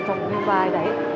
trong cái vai đấy